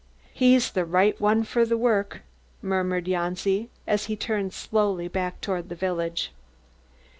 "He's the right one for the work," murmured Janci as he turned slowly back towards the village.